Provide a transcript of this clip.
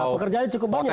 pekerjaannya cukup banyak